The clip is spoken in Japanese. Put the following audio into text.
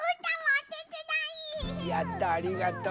やったありがとう。